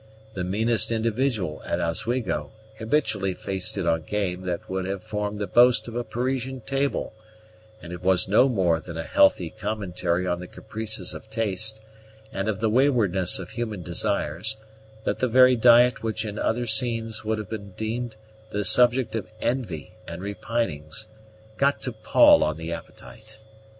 The meanest individual at Oswego habitually feasted on game that would have formed the boast of a Parisian table; and it was no more than a healthful commentary on the caprices of taste, and of the waywardness of human desires, that the very diet which in other scenes would have been deemed the subject of envy and repinings got to pall on the appetite.